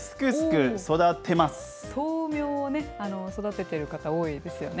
豆苗を育ててる方、多いです